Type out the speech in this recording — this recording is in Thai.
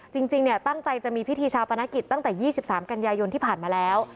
จริงตั้งใจจะมีพิธีชาปนกิจตั้งแต่๒๓กันยายนที่ผ่านมาแล้ว